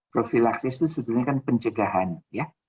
profilaksis itu sebetulnya kan pencegahan ya